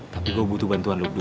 tapi gue butuh bantuan lobby